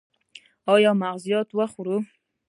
ایا مغزيات خورئ؟